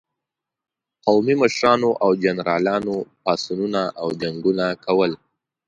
قومي مشرانو او جنرالانو پاڅونونه او جنګونه کول.